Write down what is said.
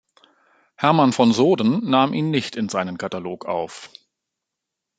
Hermann von Soden nahm ihn nicht in seinen Katalog auf.